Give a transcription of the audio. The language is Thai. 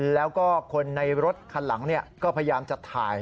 แล้วก็คนในรถคันหลังก็พยายามจะถ่าย